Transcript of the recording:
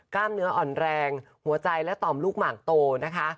กล้ามเนื้ออ่อนแรงหัวใจและต่อมลูกหมากโตนะคะ